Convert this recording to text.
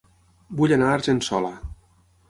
Vull anar a Argençola